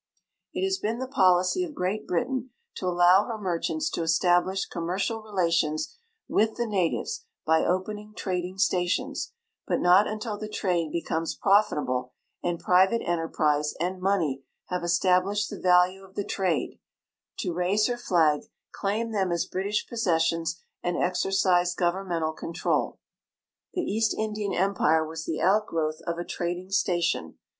It has been the policy of Great Britain to alloAV her merchants to establish commercial relations with the natiA^es by opening trading stations, but not until the trade becomes profitable, and priA'ate enterprise and money have established the value of the trade, to raise her flag, claim them as British possessions, and exercise gOA'ernmental control. The East Indian empire Avas the outgroAvth of a trading station.